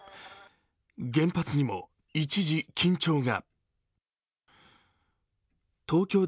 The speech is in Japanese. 原発にも一時緊張が。